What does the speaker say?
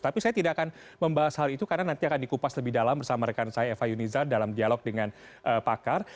tapi saya tidak akan membahas hal itu karena nanti akan dikupas lebih dalam bersama rekan saya eva yunizar dalam dialog dengan pakar